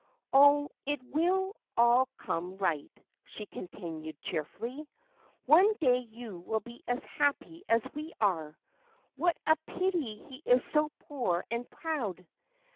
Oh, it will all come right," she continued, cheerfully. "One day you will be as happy as we are. What a pity he is so poor and proud!